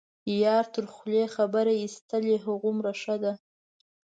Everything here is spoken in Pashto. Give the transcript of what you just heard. یار تر خولې خبر یستلی هومره ښه ده.